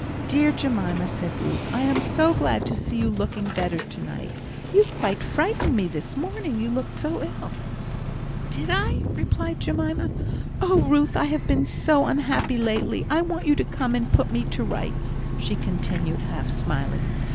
"Dear Jemima!" said Ruth, "I am so glad to see you looking better to night! You quite frightened me this morning, you looked so ill." "Did I?" replied Jemima. "Oh, Ruth! I have been so unhappy lately. I want you to come and put me to rights," she continued, half smiling.